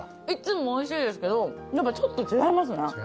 いつもおいしいですけど何かちょっと違いますね。